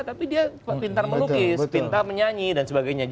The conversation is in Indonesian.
tapi dia pintar melukis pintar menyanyi dan sebagainya